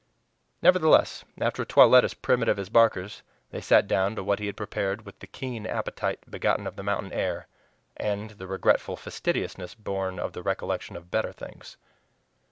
Nevertheless, after a toilet as primitive as Barker's they sat down to what he had prepared with the keen appetite begotten of the mountain air and the regretful fastidiousness born of the recollection of better things.